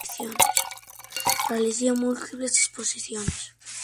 Realizó múltiples exposiciones.